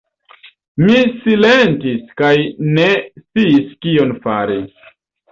Mi silentis kaj ne sciis kion fari.